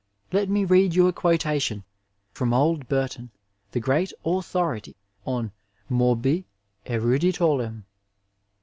Let me read you a quotation from old Burton, the great authority on morhi eruditofum.